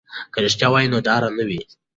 که رښتیا وي نو ډار نه وي.